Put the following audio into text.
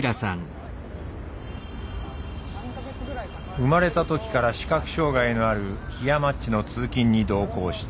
生まれた時から視覚障害のあるひやまっちの通勤に同行した。